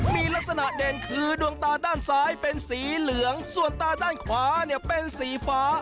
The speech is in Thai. มีลักษณะเด่นคือดวงตาด้านซ้ายเป็นสีเหลืองส่วนตาด้านขวาเนี่ยเป็นสีฟ้า